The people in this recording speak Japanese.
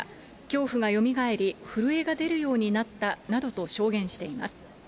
恐怖がよみがえり、震えが出るようになったなどと証言しています。